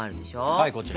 はいこちら。